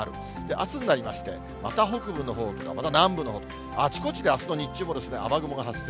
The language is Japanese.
あすになりまして、また北部の方とか、また南部のほう、あちこちであすの日中も雨雲が発生。